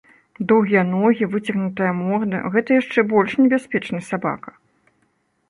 Доўгія ногі, выцягнутая морда, гэта яшчэ больш небяспечны сабака.